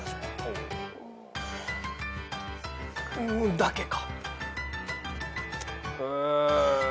だけか。